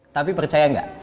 tapi percaya nggak